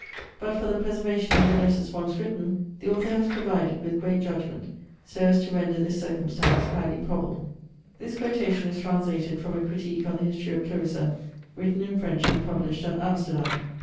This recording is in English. But for the preservation of the letters once written, the author has provided with great judgment, so as to render this circumstance highly probable.'* * This quotation is translated from a CRITIQUE on the HISTORY OF CLARISSA, written in French, and published at Amsterdam.